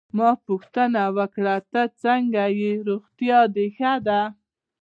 ما پوښتنه وکړه: ته څنګه ېې، روغتیا دي ښه ده؟